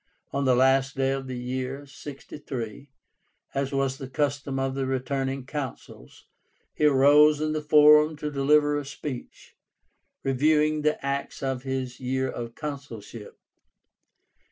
On the last day of the year (63), as was the custom of the retiring Consuls, he arose in the Forum to deliver a speech, reviewing the acts of his year of consulship.